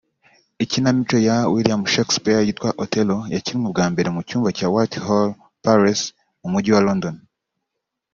Ikinamico ya William Shakespeare yitwa Othello yakinwe bwa mbere mu cyumba cya Whitehall Palace mu mujyi wa London